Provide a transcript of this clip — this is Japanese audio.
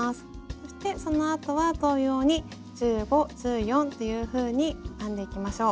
そしてそのあとは同様に１５１４っていうふうに編んでいきましょう。